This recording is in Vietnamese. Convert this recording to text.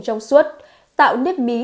trong suốt tạo nếp mí